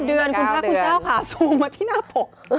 เดือนคุณพระคุณเจ้าค่ะซูมมาที่หน้าปก